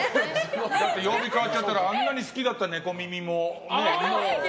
だって曜日変わっちゃったらあんなに好きだったネコ耳もね。